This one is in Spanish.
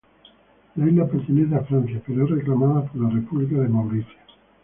La isla pertenece a Francia pero es reclamada por la República de Mauricio.